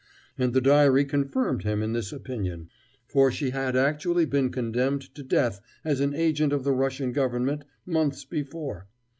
And the diary confirmed him in this opinion: for she had actually been condemned to death as an agent of the Russian Government months before.